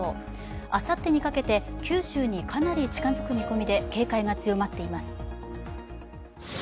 あさってにかけて九州にかなり近づく見込みで警戒が強まっています。